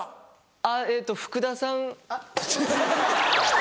あっえっと福田さん。